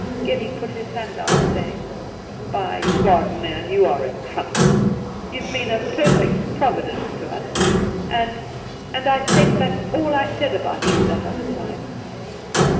Geddy put out his hand, saying :' By God, Nairn, you are a trump ! You've been a perfect Providence to us ; and — and I take back all I said about you that other time.'